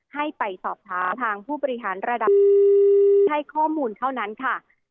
ให้ไปสอบถามทางผู้บริหารระดับให้ข้อมูลเท่านั้นค่ะ